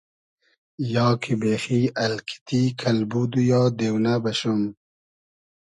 یا کی بېخی الکیتی , کئلبود و یا دېونۂ بئشوم